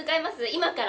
今から。